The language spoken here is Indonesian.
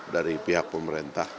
dari pihak pemerintah